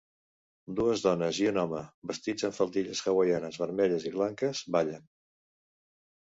Dues dones i un home, vestits amb faldilles hawaianes vermelles i blanques, ballen.